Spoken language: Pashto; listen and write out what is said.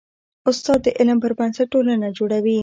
استاد د علم پر بنسټ ټولنه جوړوي.